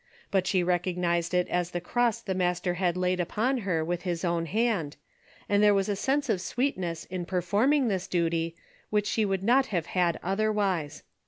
But she recognized it as the cross the Master had laid upon her Avith his own hand, and there Avas a sense of SAveetness in performing this duty which she Avould not have had otherwise.